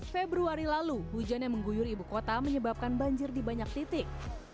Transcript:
februari lalu hujan yang mengguyur ibu kota menyebabkan banjir di banyak titik